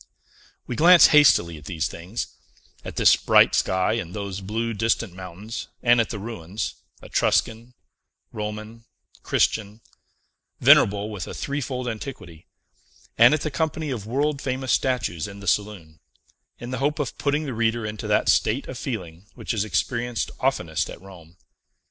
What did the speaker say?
We glance hastily at these things, at this bright sky, and those blue distant mountains, and at the ruins, Etruscan, Roman, Christian, venerable with a threefold antiquity, and at the company of world famous statues in the saloon, in the hope of putting the reader into that state of feeling which is experienced oftenest at Rome.